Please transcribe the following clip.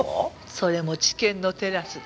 それも地検のテラスで。